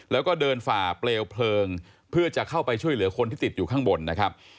แล้วก็เดินฝ่าเปลวเพลิงเพื่อจะเข้าไปช่วยเหลือคนที่ติดอยู่ข้างบนนะครับ